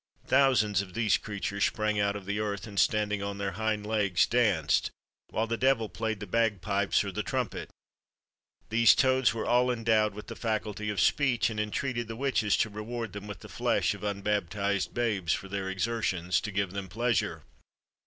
Thousands of these creatures sprang out of the earth, and standing on their hind legs, danced, while the devil played the bagpipes or the trumpet. These toads were all endowed with the faculty of speech, and entreated the witches to reward them with the flesh of unbaptised babes for their exertions to give them pleasure.